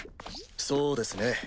そうですね